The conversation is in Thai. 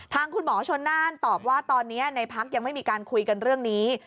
คุณหมอชนน่านตอบว่าตอนนี้ในพักยังไม่มีการคุยกันเรื่องนี้